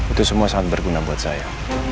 itu semua sangat berguna buat saya